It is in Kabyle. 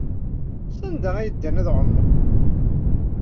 Sanda ay ddan ad ɛumen?